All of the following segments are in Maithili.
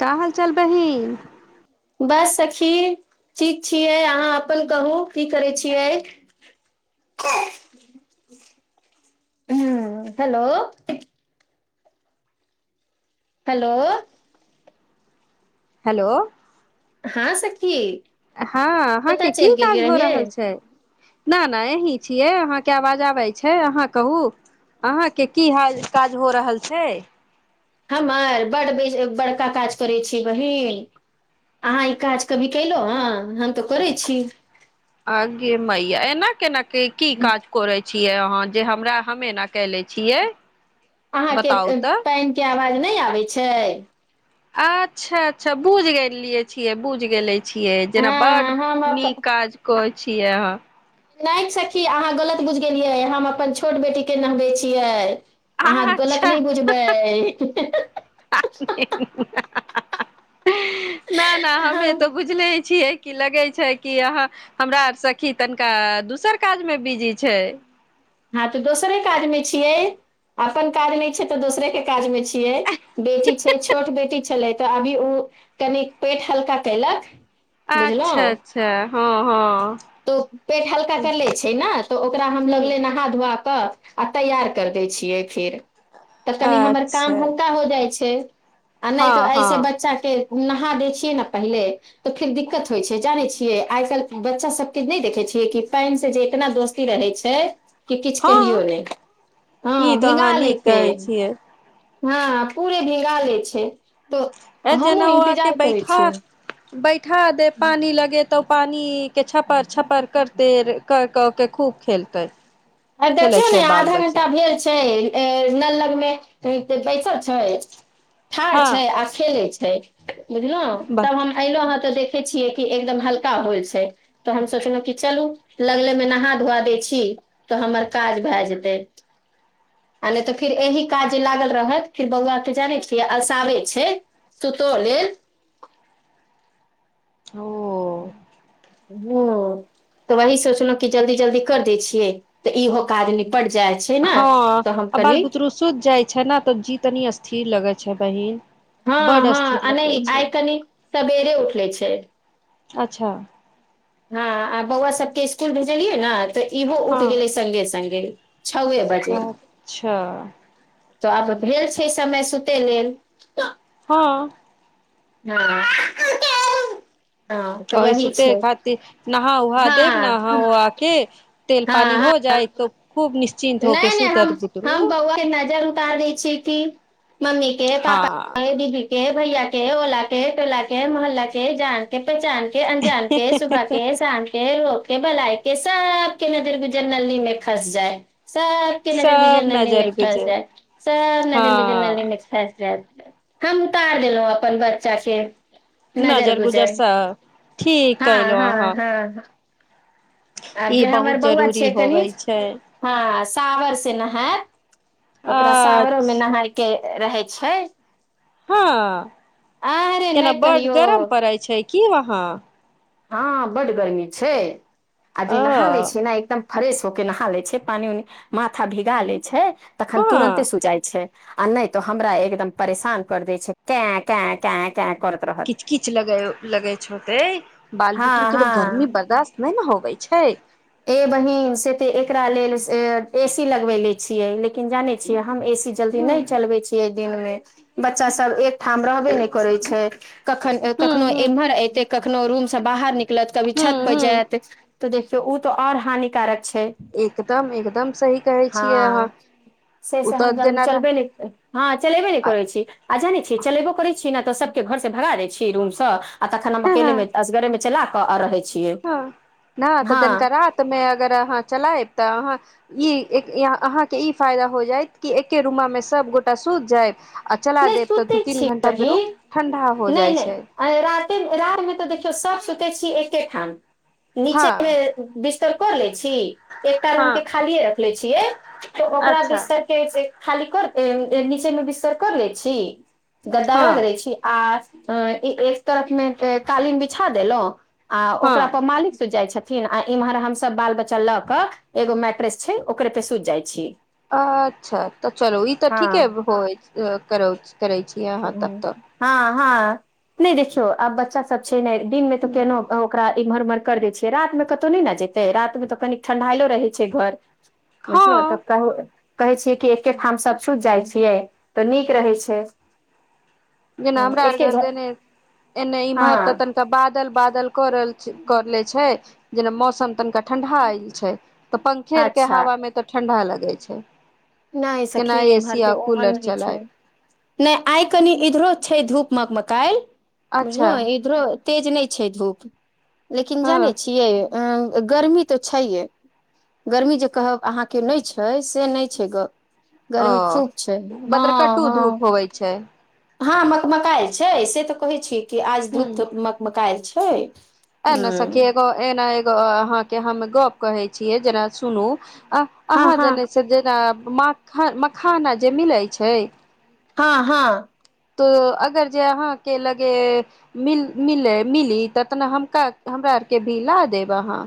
का हाल चाल बहिन बस सखी ठीक छियै अहाँ अपन कहू की करै छियै ह हेलो हेलो हेलो हँ सखी हँ अहाँके कतय की चलि काज गेलियै भ रहियै रहल छै नहि नहि अहीँ छियै अहाँके आवाज आबै छै अहाँ कहू अहाँके की हाल काज हो रहल छै हमर बड बे बड़का काज करै छीय बहिन अहाँ ई काज कभी केलहु ह हम तऽ करै छी मइया ऐना केना के की काज कर छै छियै अहाँ जे हमरा हमे न कै ले छियै अहाँके बताउ तऽ पैन के आवाज मे नहि आबै छै अच्छा अच्छा बुझ गेलिये छियै बुझ गेले छियै जेना हँ बड हम नीक काज कर छिया नय सखी अहाँ गलत बुझि गेलियै हम अपन छोट बेटीक के नहबै छियै अहाँ गलत नहि बुझबै नहि नहि हमे हम तऽ बुझले छियै कि लगै छै कि अहा हमरा सखी तनिका दोसर काज मे बिजी छै हँ तऽ दोसरे काज में छियै, अपन काज नय छै तऽ दोसरे के काज मे छि कि यइय बेटी छै छोट बेटी छलै तऽ अभी उ कनिक पेट हल्का कयलक बुझलहुँ अच्छा अच्छा हँ हँ तो पेट हल्का कर ले छै न तऽ ओकरा हम ह लगले नहा धुआ कऽ आ तैयार कर दै छियै फेर तऽ कनि हमर अच्छा काम हल्का हो जाइ छै छै आ नय तऽ हँ ऐसे हँ बच्चा के नहा दै छियै ने पहिले तऽ फेर दिक्कत होइ छै जानै छियै आइ काल्हि बच्चा सब नहि देखै छियै कि पानन से जे इतना दोस्ती रहै छै कि किछु कहियो हँ ने हँ ई तऽ भिगा अहाँ ले नीक छै कहै छियै हँ पूरे भीगा ले छै तऽ अ जेना हमहुँ हुआ के इन्तजार करै बैठा छियै बै खा दे पानी लगे तऽ पानि छप छपार करते खूब खेलतय आ देखियौ ने आधा घं्टा भेल छै ए न लगमे बै सब छै ठाढ़ छै हँ आ खेले छै त बुझल तब बस हम आइल हाँ तऽ देखै छियै कि एकदम हल्का होल छै तऽ हम सोचलहुं कि चलू लगलेमे नहा धुआ दै छी तऽ हमर काज भए जेतै आ नहि तऽ फिर एहि काज जे लागल रहत फिर बौआ के जानै छियै अलसाबे छै सुतो लेल ओ [inaudible] ह तऽ वही सोचलहु क जल्दी जल्दी कर दै छियै तऽ इहो काज न हँ आ बाल बुतरु सुति जाइ छै ने त जी तनी थीर लगै छै बहिन हँ बड स्थिर हँ अ लगै छै आइकनी सबेरे उठलै छै अच्छा हँ आ बौआ सबके स्सकुल भेजलियै ने तऽ इहो उठि हँ गेलै सङ्गे सङ्गे छौए बजे अच्छा तऽ आब भेल छै समय सुतय लेल हँ हँ तऽ अ वही सुते छै खातिर नहा उहा हँ देब ने अहा हँ उहा के तेल पानी हो हँ जाय तो खूब निश्चिन्त होके नहि नहि हम सुतत हम बुतरू ब ओ नजर उतार दै छियै की मम्मी के पापा हँ दीदी के भैया के ओला के टोला के मोहल्ला के जान के पहचानके के अनजान के सुबह के शाम के के बलआय के सबके नजर गुजर नली में खस जाय सबके नजर सब गुजैर नल्ली में नजर खस गुजर सब नजर गुजैर नल्ली हँ म खस जैत हम उतार देलहुँ अपन बच्चा के नजर गुजर स ठीक कैलो अहाँ आ ई जे हमर बहुत बौआ जरूरी छै कनि होवे छै हँ तावर से नहायत ओकरा सावरोमे अच्छा नहाय के रहै छै हँ अरे केना नहि बड कहियौ गरम पड़ै छै की वाहाँ हँ बड गरमी छै आ अ जे नहा ले छै ने एकदम फ्रेश हो के नहा ले छै पानि उनी माथा भिगा ले छै तखन हँ तुरन्ते सुूजाइ छै आ नहि तो हमरा एकदम परेशान कर दै छै कै कै कै किच किच लगै लगै छोते बाल हँ बुतरू के तऽ हँ गर्मी बर्दाश्त नहि ने हो अबै छै ए बहिन से तऽ एकरा लेल ए सी लगबेले छियै लेकिन जानै छियै हम ए सी जल्दी ह नहि चलबै छियै दिन मे बच्चा सब एकठाम रहबे नहि करै छै कखन ह कखनो ह एम्हर एते अखनो रूमसँ बाहर निक कलत कभी ह छत ह बजाते त देख से ओ तओर हानिकारक एकदम एकदम सही कहै छियै अहाँ ह से ओ स तऽ हम जेना हँ चलबे हँ चलेबे नहि करै छी आ जाने छिये चलेबो कर छी छी ने तऽ सबके घर से भगा दै छी रूमसँ आ तऽ हम अकेेल में असगरे में चला कऽ क आ रहै छै हँ न तऽ जनक र मे अगर अहाँ चलायब तऽ अहाँ ई अहाँके ई फायदा हो जायत कि एके रूमामे सभगोटा सुति जायब आ चला नहि देब तऽ दू सुते तीन छी घंटा मे कनि रूम ठंडा हो जाइ नहि नहि छै आई राते रति मे तऽ देखियौ सब सुत एकेठाम नीचे हँ मे बिस्तर कऽ लै छी एकटा रंग के हँ खालीए रखले छियै तऽ ओकरा अच्छा बिस्तर के खालि करके नीचे में विस्तर कर लै छी गद्दार हँ रहै छी आस अ एक तरफ में कालीन बिछा देेलो आ ओकरा हँ पर मालिक से जाइ छथिन थिन आ इम्हर हम सब बाल बच्चा ल के एगो मैट्रेस छै ओकरे पे सूइत जाइ छी अच्छा तऽ चलू ई तऽ ठीके हँ होइ करउत हँ हँ नहि देखियौ आब बच्चा सब छै दिन मे त के ओकरा इमहर-उमहर कर दै छियै रातमे कतहु नहि ने जेतै रातिमे तऽ कनि ठंढाइलो रहै छै घर बुझल हँ तका हो कहै छियै कि एकेठाम सभ छुट जाइ छियै तऽ नीक रहै छै जेना हँ, हमरा आर एके घर देने एने इमहर तऽ हँ तनिका बादल बादल करल कर ले छै जेना मौसम त कन कट ठंढ़ाएल छै ते पंखेर के हवा मे त ठी ठंढा लागै छै। नइ सखी केना एमहर एसी के आ ओहन कूलर नइ छै चलाय नहि आइ कनि इधरो छै धूप मक मकाल्हि बुझलौ अच्छा इधरो तेज नै छै धूप। लेकिन जानै हँ छियै अं गर्मी तो छैये, गर्मी जे कहब अहाँ के नै छै से ने छै ग अ गर्मी खूब छै बदर कट्टू धूप होबै छै। हाँ मक मकाएल छै से ते कहै छी। कि आज धूप हूँ धूप मक मकाएल छै। ए ए ना सखी एगो, ए ना एगो अहाँ के हम गप कहै छियै जरा सुनु। अह हँ अहाँ हँ देना से जेना मक्ख, मखाना जे मिलै छै। हाँ हाँ। तो अगर जे अहाँ के लगे मिल मिले मिली तऽ तेना हमका हमरा आर के भी ला देब अहाँ।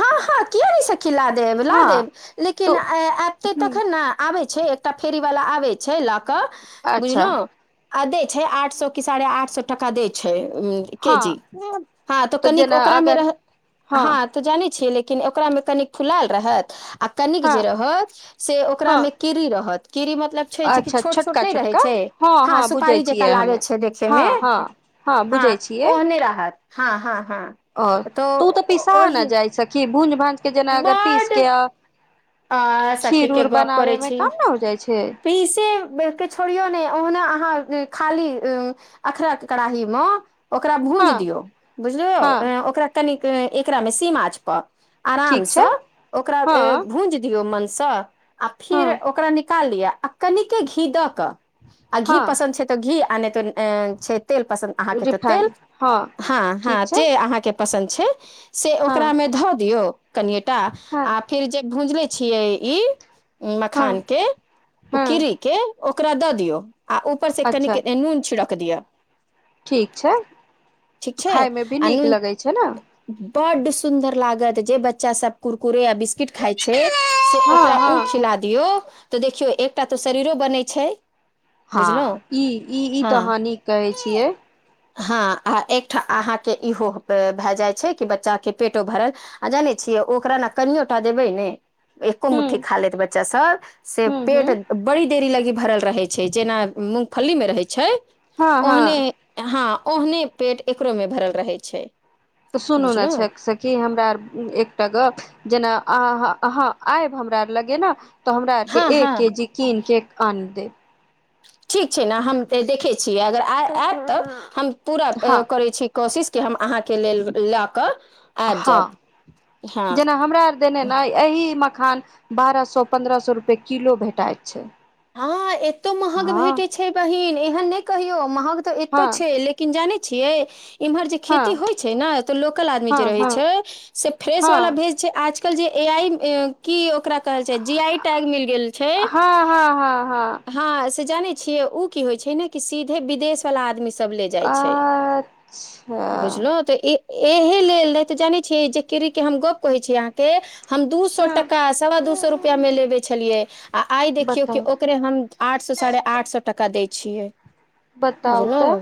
हाँ हाँ किया ने स खी ला देब ला हँ देब, लेकिन तो ए आबते ह तखन ना आबे छे, एकटा फेरी वाला आबे छै ला क अच्छा बुझलौ। आ दै छै आठ सौ की साढ़े आठ सौ टका दै छै। उम्म के हँ जी हाँ तो तऽ कनिक जेना ओकरा मे अगर रहै हँ हाँ ते जाने छीये, लेकिन ओकरा मे कनी खुलल रहत आ कनिक हँ जे रहत से ओकरा हँ मे कीड़ी रहत। कीड़ी मतलब छै जे कि अच्छा छोट-छोट छोटका नै रहै छोटका छै, हँ हाँ हँ बुझै सुपारी जेकाँ छियै लागै हमे छै देखे हँ मे, हँ हँ हाँ ओहने रहत। हाँ-हाँ। अ तू ते पिसा उन्ना जाय [unintelligible] की बु भाँज के जेना अगर पीस बड के अ आ सखी के खीर-उर बनाबे मे कम न हो जाय छै। के‌ बक छोड़ियौ नहि ओहना अहाँ खाली अखरक कड़ाही म। ओकरा भूज हँ दियौ बुझलियौ हँ ओकरा कनि। एकरा मे सी माचप। ठीक छै आरामसँ ओकरा हँ अ। दियौ मन से। आ फिर हँ ओकरा नि निका लिअ आ कनिके घी दऽ क। आ घी हँ पसन्द छै तऽ घी। आने त ए छै। तेल पसन्द अहाँके तऽ तेल हँ हँ ठीक छै जे अहाँके। पसन्द छै। से हँ ओकरामे धऽ दियौ। कनिये। आ हँ आ फिर जे। भूजले छियै ई। हँ मखान के हँ उकिड़ी के। ओकरा दऽ दियौ। आ ऊपर से कनी अच्छा के नून छिड़क। क दिय। ठीक छैऽ ठीक छै खाायमे भी नीक लगैत छै न। बड सुंदर लागत जे बच्चा सब कुरकुरे य बिस्किट। खाय छै। से ओकरा हँ हँ उ खिला दियौ। तऽ देखियौ एकटा तऽ शरीरो बनैत छै। हँ बुझलहुँ ई ई ई हँ तऽहहान नीक कहैय छियै। हँ आ एकठाम अहाँके इहो भए जाइ छै कि बच्चाके पेटो भरल आ जानै छियै ओकरा ने कनियो। टा देबै ने। एको हूँ मुठ्ठी खा लेत बच्चा सब से हूँ हूँ पेट बड़ी देरी लगी। भरल रहै छै जेना मूँगफलीमे रहै छै। हँ ओहने हँ हँ। ओहने पेट एकरो मे भरल रहै छै। तऽ सुनू ने छै बुझलहु से कि हमरा आर‌ एकटा गप। जेना अह अहाँ आयब हमरार लगे ने। तऽ हमरा आर के हँ हँ एक के जी कीन केक आन दे। ठीक छै ने हम तऽ देखै छियै अगर अइब आयब तऽ हम। पूरा प‌ हँ करै छी। कोशिशके हम अहाँके लेल लऽ कऽ आबि जायब हाँ हँ जेना हमरा आर देने न एहि-म- -मखान बारह सौ पन्द्रह सौ रूपये किलो भेटाइत छै हाँ एतो महँग हँ भेटै छै बहिन एहन नहि कहियौ महंग तऽ एतो हँ छै लेकिन जानै छियै इम्हर जे हँ खेती होइ छै न तऽ लोकल आदमी हँ जे रहै हँ छै से फ्रेश हँ वाला भेज छै आज तऽ जे ए-आइ ऐं-की ओकरा कहल छै जी आई टैग मिल गेल छै हाँ हाँ तऽ जानै छियै उ की होइ छै न सीधे विदेश वला आदमी सँ सब ले जाइ छै हँ अच्छा बुझलहूँ तऽ ई एहि लेल नहि तऽ जानै छियै जेकरे के हम गप्प कहै छियै अहाँके हम दू सौ हँ टका सवा दू सौ रुप- रुपआ मे लेबै छलियै आ आइ देखियौ बताउ कियौ हम आठ सौ साढ़े आठ सौ टका दै छियै बताउ तऽ बुझलहु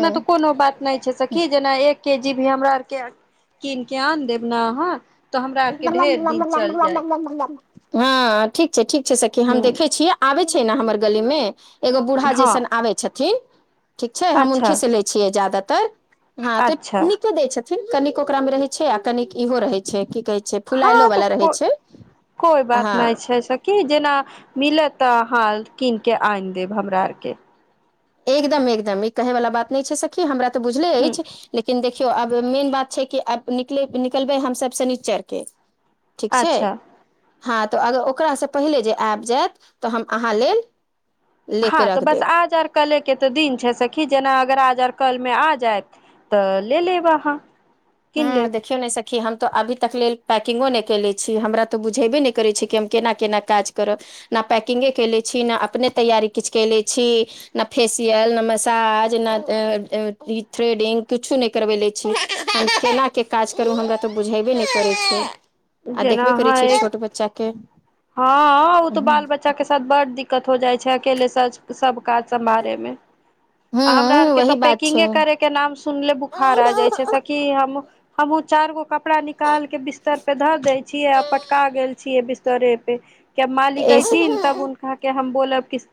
नहि तऽ कोनो बात नहि जै सँ की जेना ई एकके जीभी हमरा आर के कीन के आन देब ने अहाँ तऽ हमरा आरके ढेर दिन चल जाय [unintelligible] हाँ ठीक ठीक छै सखी ह हम देखै छियै आबै छै न हमर गली मे एगो बूढ़ा हँ जेसन आबै छथि [unintelligible] ठीक छै हम अच्छा हुनकेसँ लै छियै इजाज़त तऽर हँ तऽ अच्छा नीके दै छै छथ ठीक कनिक ओकरा मे रहे छै आ कनिक इहो रहै छै कि हँ तऽ को कोइ बात नहि हँ छै स की जेना मिलत तऽ हाल कीन के आनि देब हमरा आरके एकदम एकदम ई कहै वला बात नहि छै सखी हमरा बुझले ह अछि लेकिन देख देखियौ आब मेन बात छै कि आब निकल निकलबै हम सब सनिचर के ठीक छै अच्छा हँ तऽ अगर ओकरासँ पहिले जे आबि जायत तऽ हम अहाँ लेल ले के हँ त रख देब बस आ जा कले के तऽ दिन छै सखी जेना अगर आज आर कल मे आ जायत तऽ ले लेब अहाँ कीन हँ लेब देखियौ नहि‌‌ सखि कि हम तऽ अभी तक लेल पैकि्ंगो नहि कले छी हमरा तऽ बुझेबे नहि करै छी कि हम केना केना काज करब ने पैकि्ंगे कले छी नहि अपने तैयारी किछु कले छी नहि फेसियल ने मसाज ने थ्रेडिंग किछु नहि करबेले छी हम केनाके काज करू हमरा तऽ बुझेबे नहि करै छै आ जेना देखबे करै अहाँ छियै एक छोट बच्चाके हँ ओ तऽ बाल बच्चा के साथ बड़ दिक्कत हो जाइ छै अकेले सज सब काज समारेमे आ हमरा आर हूँ के वही त बात पैकिंगे छै करे के नाम सुनले बुखार आ जाइ छै त कि हम हमहुँ चार गो कपड़ा निकालिक बिस्तर पे धर दै छियै आ पटका गेल छियै बिस्तरे पे के मालिक अईथिन‌ तब उनका के हम बोलब किस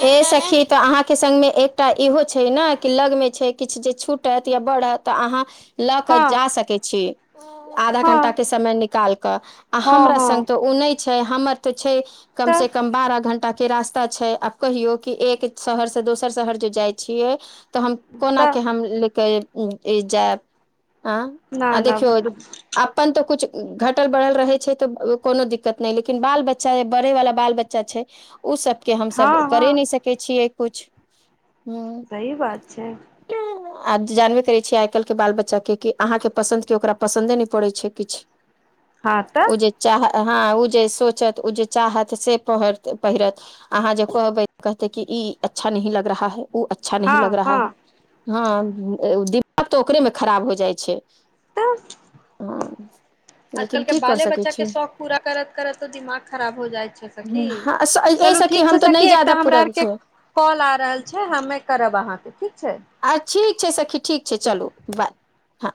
हे सखी तऽ अहाँके सङ्गमे एक एकटा इहो छै ने कि लगमे छै किछु जे छूटत या बड़त तऽ अहाँ लऽ कऽ हँ जा सकैत छी आधा घंटा हँ के समय निकाल कऽ आ हँ हमरा हँ संग तऽ उ नहि छै हमर तऽ छै कम तऽ से कम बारह घंटा के रास्ता छै आब कहियो कि एक शहर से दोसर शहर जे जाइ छियै तऽ हम तऽ कोनाके हम लेके हूँ ईजात- आँ न आ न देखियौ अपन तऽ कुछ घटल बढ़ल रहे छै तऽ कोनो दिक्कत नहि लेकिन बाल बच्चा बढ़ैय वला बाल बच्चा छै [inaudible] ओ सब के हँ हमसब हँ करै नहि सकै छियै कुछ हम्म सी बात छै आ जानबे करै छियै आइ काल्हिके बाल बच्चाके की अहाँके पसन्द के ओकरा पसन्दे नहि पड़ै छै किछ हँ ओ तऽ जे चाह हाँ ओ जे सोचत ओ जे चाहत से पढ़त पहिरत अहाँ जे कहबै कहतै की इ अच्छा नहीं लग रहा है उ अच्छा नह हँ लग रहा हँ है हँ उ-दि आब तऽ ओकरेमे खराब हो जाइ छै तऽ हँ आजकल लेकिन के की कर बाले सकै बच्चा के छी शौख पूरा करऽत करऽत दिमाग खराब हो जाइ छै सखी हँ ए चलू सखी ठीक हम छै तऽ नहि सखी एकटा जादा हमरा पूरब आरके छै कॉल आ रहल छै हमे करब अहाँके ठीक छै अछि छै सखी ठीक छै चलू चलु बाय हँ